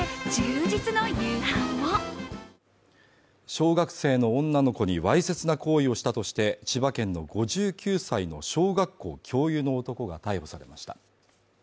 小学生の女の子にわいせつな行為をしたとして千葉県の５９歳の小学校教諭の男が逮捕されました。